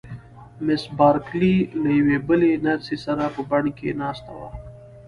مس بارکلي له یوې بلې نرسې سره په بڼ کې ناسته وه.